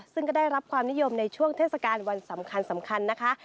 ซึ่งก็ได้รับความนิยมในช่วงเทศกาลวันสำคัญนะคะ